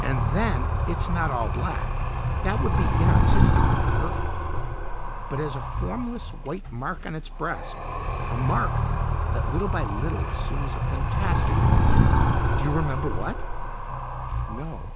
And then it's not all black that would be inartistically perfect but has a formless white mark on its breast, a mark that little by little assumes a fantastic form do you remember what?" "No."